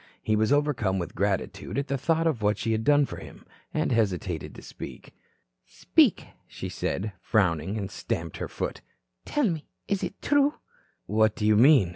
He was overcome with gratitude at the thought of what she had done for him, and hesitated to speak. "Speak," she said, frowning, and stamped her foot. "Tell me, is this true?" "What do you mean?"